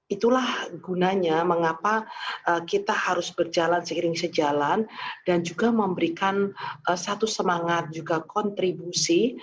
itulah gunanya mengapa kita harus berjalan seiring sejalan dan juga memberikan satu semangat juga kontribusi